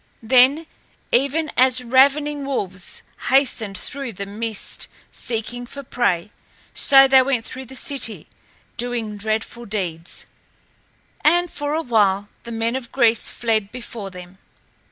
Then, even as ravening wolves hasten through the mist seeking for prey, so they went through the city, doing dreadful deeds. And for a while the men of Greece fled before them.